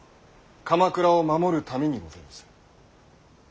鎌倉を守るためにございます。